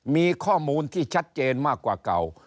มีข้อมูลที่ชัดเจนมากกว่าเก่า